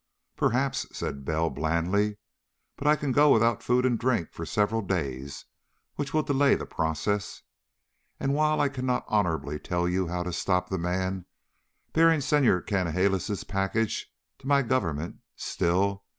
"Perhaps," said Bell blandly: "but I can go without food and drink for several days, which will delay the process. And while I cannot honorably tell you how to stop the man bearing Senhor Canalejas' package to my government, still